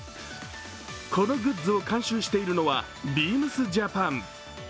このグッズを監修しているのはビームスジャパン。